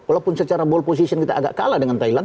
walaupun secara ball position kita agak kalah dengan thailand